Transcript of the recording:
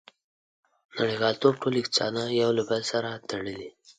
• نړیوالتوب ټول اقتصادونه یو له بل سره تړلي.